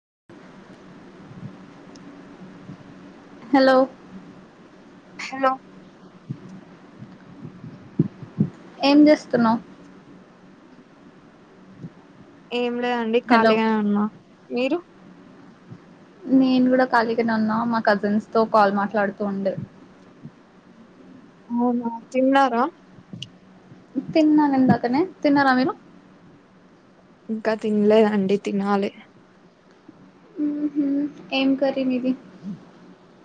[unintelligible] Hello hello ఏం చేస్తున్నావ్ ఏం లేదండి హలో ఖాళీగానే ఉన్నా మీరు నేను కూడా ఖాళీగానే ఉన్నా మా కజిన్స్ తో కాల్ మాట్లాడుతూ ఉండే అవునా తిన్నారా తిన్నాను ఇందాకనే తిన్నారా మీరు ఇంకా తినలేదండి తినాలి ఉహు ఏం కర్రీ మీది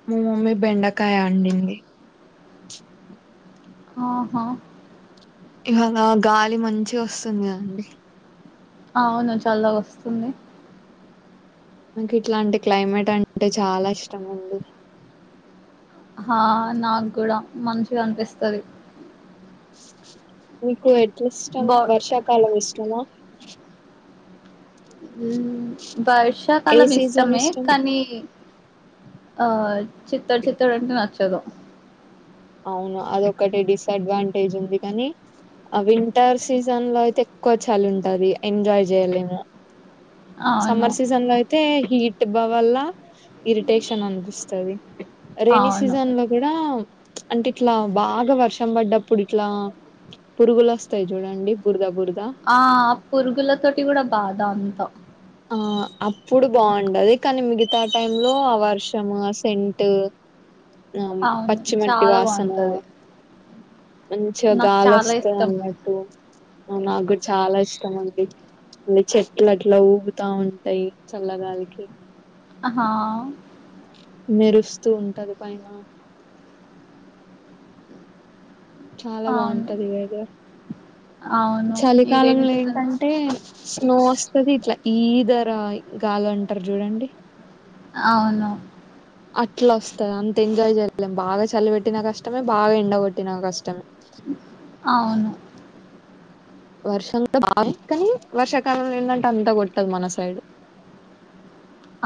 మా మమ్మీ బెండకాయ అండింది ఆహా ఇవాళ గాలి మంచిగా వస్తుంది అండి అవును చల్లగొస్తుంది నాకు ఇట్లాంటి క్లైమేట్ అంటే చాలా ఇష్టం అండి హా నాగ్గూడా మంచిగ అన్పిస్తది మీకు ఎట్లిష్టం బా వర్షాకాలం ఇష్టమా ఏ వర్షాకాలం సీజన్ ఇష్టమే ఇష్టం కానీ ఆ చిత్తడి చిత్తడి అంటే నచ్చదు అవును అది ఒక్కటి డిస్ అడ్వాంటేజ్ ఉంది కానీ ఆ వింటర్ సీసన్ లో అయితే ఎక్కువ చలి ఉంటది ఎంజాయ్ చెయ్యలేము అవును సమ్మర్ సీసన్ లో అయితే హీట్ భ వల్ల ఇరిటేషన్ అనిపిస్తది రైనీ అవును సీజన్ లో కూడా అంటే ఇట్లా బాగా వర్షం పడ్డప్పుడు ఇట్లా పురుగులు వస్తాయి చూడండి పురగా పుర్గా ఆ పురుగుల తోటి కూడా బాధా అంతా. ఆ అప్పుడు బాగుండది కానీ మిగతా టై లో ఆ వర్షం సెంట్ ఆ అవును పచ్చిమట్టి చాలా వాసన బాగుంటది మంచిగా నాకు గాలి చాలా వస్తాయి ఇష్టం అన్నట్టు నాకు కూడా చాలా ఇష్టం అండి అ చెట్లు అట్లా ఊగు తా ఉంటాయి చల్లగాలికి ఆహా మెరుస్తూ ఉంటది పైనా చాలా అవును బాగుంటది వెదర్ అవును ఈ రైనీ చలికాలంలో సీజన్ లో ఏంటంటే స్నో వస్తాది ఇట్లా ఈధర గాలి అంటారు చూడండి అవును అట్లా వస్తాది అంతా ఎంజాయ్ చేయలేం బాగా చల్లి పెట్టినా కష్టమే బాగా ఎండగోట్టిన కష్టమే అవును వర్ష కానీ వర్షాకాలంంలో ఏందంట అంతా గోట్టదు మన సైడ్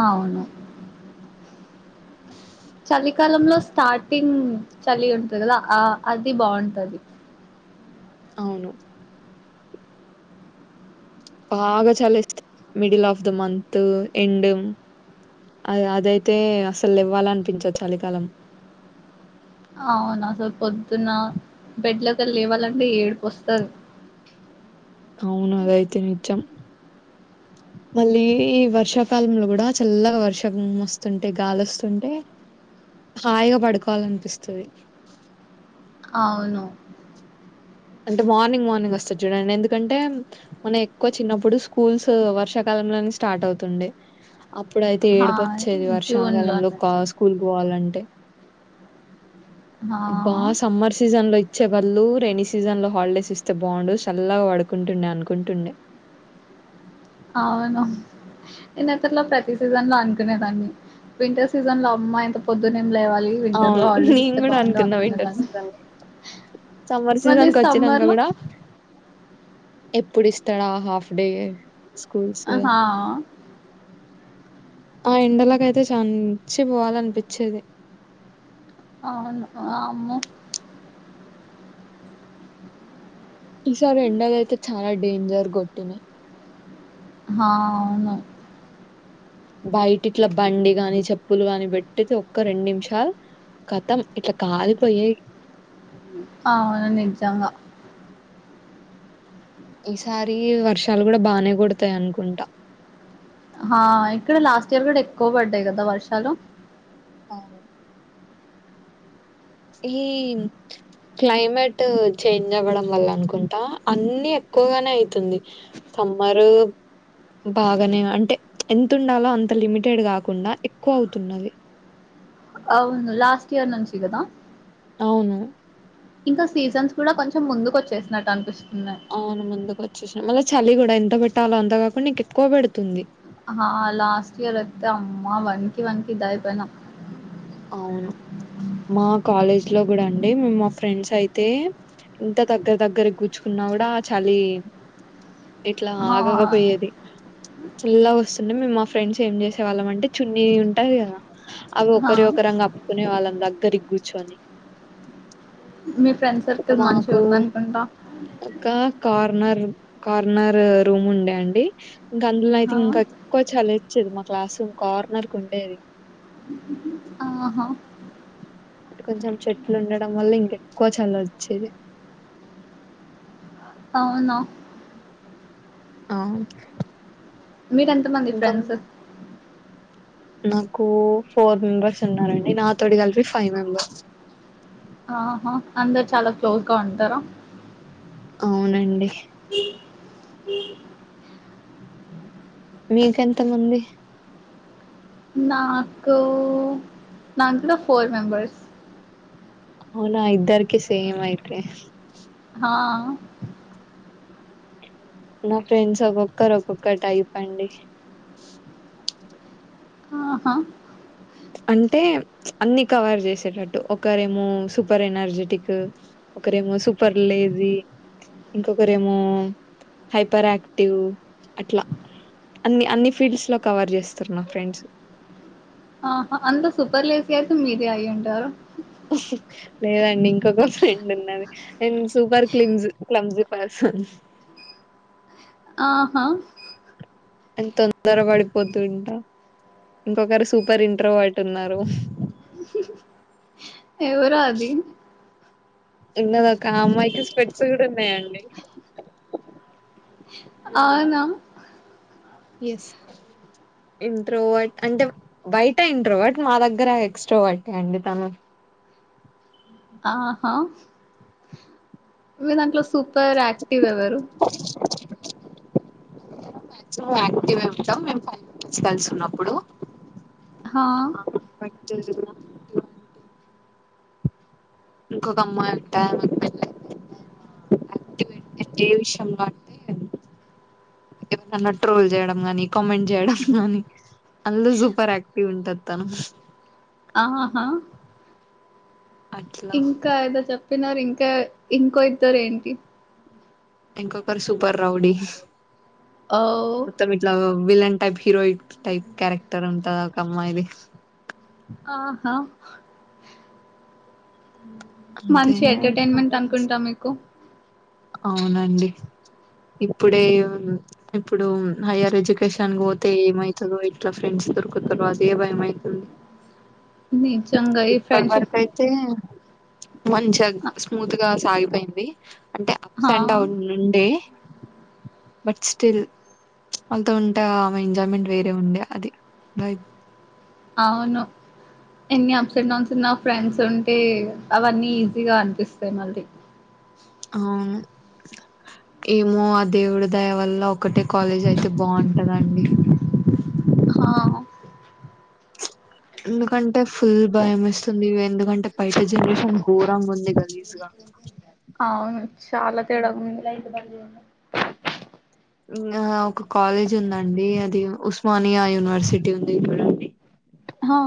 అవును చలికాలంలో స్టార్టింగ్ చలి ఉంటది కదా ఆ అది బాగుంటది. అవును బాగా చాలి ఎస్త middle of the month end అ అదైతే అసలు లేవ్వాలి అనిపించ చలికాలం అవునా అసలు పొద్దున్న బెడ్లొగేల లేవాలంటే ఏడుపు వస్తాది అవును అదైతే నిజం మళ్ళీ ఈ వర్షాకాలంలో కూడా చల్లగా వర్షం వస్తుంటే గాలుస్తుంటే హాయిగా పడుకోవాలనిపిస్తుంది అవును అంటే మార్నింగ్ మార్నింగ్ వస్తది చూడండి ఎందుకంటే మనం ఎక్కువ చిన్నప్పుడు స్కూల్స్ వర్షాకాలం లో స్టార్ట్ అవుతుండే అప్పుడైతే ఆ ఏడిపు వచ్చేది జూన్ వర్షాకాలంలో లోనే కా స్కూల్కి పోవాలంటే ఆ అబ్బా సమ్మర్ సీజన్ లో ఇచ్చేవాళ్ళు రెణ సీజన్ లో హాలిడేస్ ఇస్తే బాగుండు చల్లగా పడుకుంటుండే అనుకుంటుండే అవును నేను ఇతలో ప్రతి సీజన్ లో అనుకునేదాన్ని వింటర్ సీజన్ లో అమ్మా యింత పొద్దునే లేవాలి వింటర్ లో అవును ఆల్డేడ్ నేను ఇస్తే కూడా బాగుండు అనుకున్నా వింటర్ అనుకునేదాన్ని సీజన్ లో సమ్మర్ మళ్ళీ సీజన్ కి వచ్చినాంక సమ్మర్ లో కూడా ఎప్పుడు ఇస్తాడా హాఫ్ డే. స్కూల్స్ ఆహా ఆ ఎండలకైతే సంచి పోవాలనిపించేది అవును అమ్మో ఈసారి ఎండలు అయితే చాలా డేంజర్ గొట్టినాయి ఆ అవును బయటి ఇట్లా బండి గాని చెప్పులు గాని పెట్టితే ఒక్క రెండు నిమిషాల్ కతం ఇట్లా కాలిపోయేయి అవున నిజంగా ఈసారి వర్షాలు కూడా బానే కొడతాయి అనుకుంటా. హా ఇక్కడ లాస్ట్ ఇయర్ కూడా ఎక్కువ పడ్డాయి కదా వర్షాలు అవును ఈ క్లైమేట్ చేంజ్ అవ్వడం వల్ల అనుకుంటా అన్ని ఎక్కువగానే అయితుంది మరీ బాగానే అంటే ఎంత ఉండాలో అంత లిమిటెడ్ కాకుండా ఎక్కువ అవుతున్నది అవును లాస్ట్ ఇయర్ నుంచి కదా అవును ఇంకా సీజన్స్ కూడా కొంచెం ముందుకు వచ్చేసినట్టు అనిపిస్ అవును ముందుకు వచ్చేసిన మళ్ళీ చలి కూడా ఎంత పెట్టాలో అంతకాకుండా ఇంకా ఎక్కువ పెడుతుంది. ఆ లాస్ట్ ఇయర్ అయితే అమ్మా వనికి వనికి ఇదయిపోయినాం అవును మా కాలేజ్ లో కూడ అండి మేము మా ఫ్రెండ్స్ అయితే ఇంత దగ్గర దగ్గర కుచ్చుకున్నా కూడా చలీ ఇట్లా హా ఆగకపోయేది. చల్లగొస్తుంటే మేము మా ఫ్రెండ్స్ ఏం చేసే వాళ్ళం అంటే చున్నీ ఉంటాది కదా అ హా ఒకరివి ఒకరం కప్పుకునే వాళ్ళం దగ్గరికి కూర్చొని మీ ఫ్రెండ్ ఒక సర్కిల్ మంచిగా మాకు ఉందనుకుంటా ఒక కార్నర్ కార్నర్ రూమ్ ఉండే అండి. ఇంక అందులో అయితే హా ఇంకా ఎక్కువ చలోచ్చేది. మా క్లాస్ రూమ్ కార్నర్ కి ఉండేది ఆ ఇటు కొంచెం చెట్లు ఉండడం వల్ల ఇంకెక్కువ చలోచ్చేది అవునా అవును మీరెంత మంది ఫ్రెండ్స్? నాకు ఫోర్ మెంబెర్స్ ఉన్నారండి నాతోటి కలిపి ఫైవ్ మెంబెర్స్ ఆహా అందరు చాలా క్లోజ్ గా ఉంటార? అవునండి మీకెంతమంది నాకు నాకు కూడా ఫోర్ మెంబర్స్. అవునా ఇద్దరికి సేమ్ అయితే. ఆ నా ఫ్రెండ్స్ ఒక్కొక్కరు ఒక్కొక్క టైప్ అండి. ఆహా అంటే అన్ని కవర్ చేసేటట్టు ఒకరేమో సూపర్ ఎనర్జెటిక్ ఒకరేమో సూపర్ లేజి. ఇంకొకరేమో హైపర్ యాక్టివ్ అట్లా. అన్ని అన్ని ఫీల్డ్స్ లో కవర్ చేస్తారు నా ఫ్రెండ్స్. ఆహా అంత సూపర్ లేజీ అయితే మీరే అయ్యుంటారు. లేదండి ఇంకొక ఫ్రెండ్ ఉన్నది నేను సూపర్ క్లిమ్జ క్లమ్జి పర్స్ ప ఆహా అని తొందర పడిపోతుంట ఇంకొకరు సూపర్ ఇంట్రోవర్ట్ ఉన్నారు. ఎవరో అది ఉన్నది ఒక ఆ అమ్మాయికి స్పెట్స్ కూడా ఉన్నాయండి అవునా ఎస్ ఇంట్రోవట్ అంటే బయట ఇంట్రోవాట్ మా దగ్గర ఎక్స్ట్రోవటే అండి తను ఆహా మీ దాంట్లో సూపర్ యాక్టివ్ ఎవరు మాక్సిమం యాక్టివే ఉంటాం మేము ఫైవ్ మెంబర్స్ కలిసి ఉన్నప్పుడు హా [unintelligible] యాక్టివ్ అంటే ఇంకొక అమ్మాయి ఉంటా ఆమెకి పెళ్లయిందా ఆ యక్టివే ఏ విషయంలో అంటే ఎవర్నన్న ట్రోల్ చేయడం గానీ కామెంట్ చేయడం గానీ అందులో సూపర్ ఆక్టివ్ ఉంటది తను ఆహా అట్లా ఇంకా ఏదో చెప్పినారు ఇంకా ఇంకో ఇద్దారు ఏంటి ఇంకొకరు సూపర్ రౌడీ ఓ మొత్తం ఇట్లా villain type heroine type character ఉంటది ఒక అమ్మాయిది ఆహా అంతే మంచి ఎంటర్టైన్మెంట్ కదా. అనుకుంటా మీకు అవునండి ఇప్పుడే ఇప్పుడు హైయర్ ఎడ్యుకేషన్‌కి పోతే ఏమయితదో ఎట్లా ఫ్రెండ్స్ దొరుకుతారో అదే భయం అయితుంది నిజంగా ఈ ఇప్పటి ఫ్రెండ్షిప్ వరకు అయితే మంచిగా స్మూత్‌గా సాగిపోయింది అంటే అప్స్ హా అండ్ డౌన్ నుండే బట్ స్టిల్ వాళ్ళతో ఉంటే ఆమె ఎంజాయ్మెంట్ వేరే ఉండే అది బై అవును ఎన్ని అప్స్ అండ్ డౌన్స్ ఉన్నా ఫ్రెండ్స్ ఉంటే అవన్నీ ఈజీగా అనిపిస్తాయి మళ్ళీ అవును ఏమో ఆ దేవుడి దయ వల్ల ఒకటే కాలేజ్ అయితే బాగుంటదండి ఆ ఎందుకంటే ఫుల్ భయమేస్తుంది ఎందుకంటే బయట జనరేషన్ ఘోరంగా ఉంది గలీజ్‌గా అవును చాలా తేడాగుంది ఆ ఒక కాలేజ్ ఉందండి అది ఉస్మానియా యూనివర్సిటీ ఉంది చూడండి హా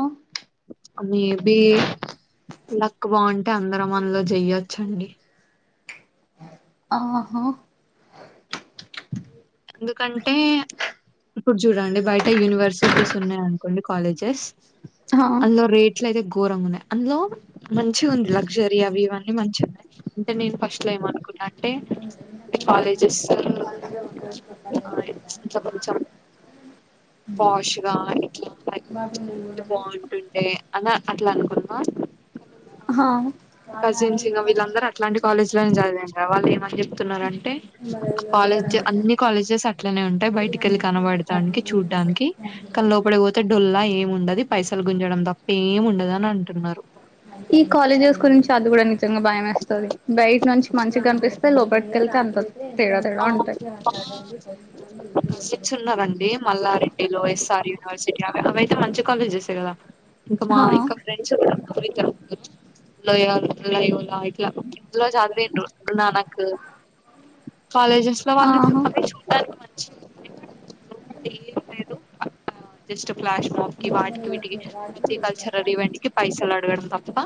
మే బి లక్ బాగుంటే అందరం అందులో చెయ్యొచ్చండి ఆహా ఎందుకంటే ఇప్పుడు చూడండి బయట యూనివర్సిటీస్ ఉన్నాయి అనుకోండి కాలేజెస్ హా అందులో రేట్ ట్లయితే ఘోరంగా ఉన్నాయి అందులో మంచిగా ఉంది లగ్జరీ అవి ఇవి అన్ని మంచిగున్నాయి అంటే నేను ఫస్ట్‌లో ఏమనుకుంట అంటే కాలేజెస్ అట్లా కొంచం పోషగా ఇట్ల [unintelligible] అలా అట్లా అనుకున్నము కానీ మా హా కజిన్స్ ఇంకా వీళ్ళందరూ అట్లాంటి కాలేజీ లోనే జాయిన్ అయ్యిర్రు వాళ్ళు ఏమని చెప్తున్నారంటే కాలేజ అన్ని కాలేజెస్ అట్లనే ఉంటాయి బయటికి కనబడటానికి చూడ్డానికి క లోపడికిపోతే డొల్లా ఏం ఉండదు పైసలు గుంజడం తప్ప ఏం ఉండదు అని అంటన్నారు. ఈ కాలేజెస్ గురించి అది కూడా ని గా భయం వేస్తది బయట నుంచి మంచి కనిపిస్తే లోపలిక వెళ్తే అంత తేడా తేడా ఆ ఉంటాయి. మా కజిన్స్ ఉన్నారండి మల్లారెడ్డిలో ఎస్ ఆర్ యూనీ అవైతే మంచి కాలేజెస్ ఎ కదా ఇంకా మా హా ఇంకా ఫ్రెండ్స్ కూడా లయో లయోలా ఇట్ల [unintelligible] కాలజెస్ లో వాళ్ళు ఆహా అవి చూడ్డానికి [unintelligible] లోపట ఏం లేదు ఆ జస్ట్ ఫ్లాష్ మాఫ్ కి వాటికి వీటికి ప్రతి కల్చరల్ ఈవెంట్ కి పైసలు అడగడం తప్ప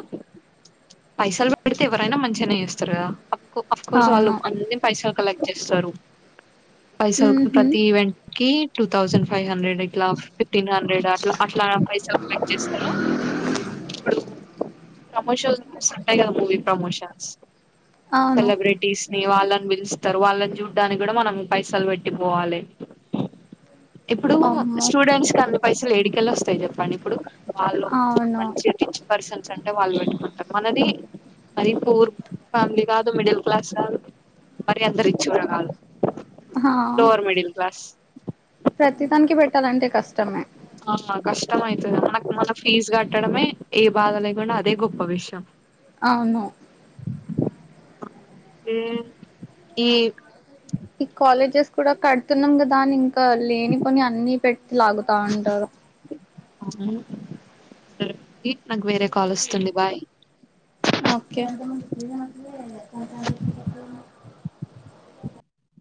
పైసలు పెడితే ఎవరైనా మంచిగానే చేస్తారు కద అఫ్ కోర్స్ వాళ్ళు అవును అ పైసలు కలెక్ట్ చేస్తారు పైస ఉహు ప్రతి ఈవెంట్ కి టూ థౌసండ్ ఫైవ్ హండ్రెడ్ ఇట్లా ఫిఫ్టీన్ హండ్రెడ్ అట్లా అట్లా పైసలుకు చేస్తారు ఇప్పుడు ప్రమోషన్స్ మస్త్ ఉంటాయి కాద మూవి ప్రమోషన్స్ అవును సెలబ్రిటీస్ వాళ్ళని పిలుస్తారు వాళ్ళని చూడ్డానికి కూడా మనం పైసలు పెట్టిపోవాలి. ఇప్పుడు అమ్మో స్టూడెంట్స్ కి అన్ని పైసలు ఏడికెల్లి వస్తాయి చెప్పండి. ఇప్పుడు వాళ్ళు అవును మంచిగా రిచ్ పర్సన్స్ అంటే వాళ్ళు పెట్టుకుంటారు. మనది మరి పూర్ ఫ్యామిలీ కాదు మిడిల్ క్లాస్ కాదు మరి అందరి ఇచ్చి కూడా కాదు హా లోవర్ మిడిల్ క్లాస్ ప్రతిదానికి పెట్టాలంటే కష్టమే ఆ కష్టం అయి తది మనకు మన ఫీజు కట్టడమే ఏ బాధ లేకుండా అదే గొప్ప విషయం అవును ఏ ఈ ఈ కాలేజెస్ కూడా కడుతున్నాం కదా అని ఇంకా గా లేనిపోని అన్ని పెట్టి లాగుతా ఉంటారు సరే అండి నాకు వేరే కాల్ వస్తుంది బాయ్ ఓకే [unintelligible]